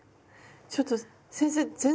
ちょっと先生全然。